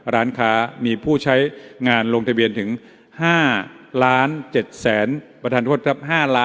ร้านค้ามีผู้ใช้งานลงทะเบียนถึง๕๗๗๗๙๗๘นะครับ